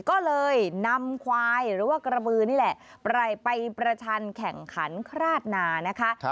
ก็เลยนำควายหรือว่ากระบือนี่แหละไปประชันแข่งขันคราดนานะคะ